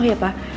oh iya pak